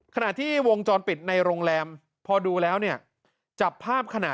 ขณะที่วงจรปิดในโรงแรมพอดูแล้วเนี่ยจับภาพขณะ